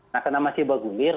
nah karena masih bergulir